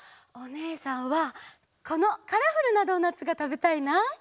おねえさんはこのカラフルなドーナツがたべたいな！